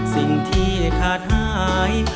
สิ่งที่ขาดหาย